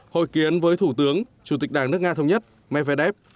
hội kiến với thủ tướng chủ tịch đảng nước nga thống nhất medvedev